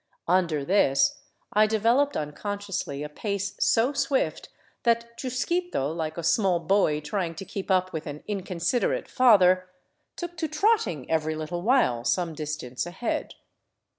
Under this I developed unconsciously a pace so swift that Chusquito, like a small boy trying to keep up with an inconsiderate father, took to trotting every little while some distance ahead.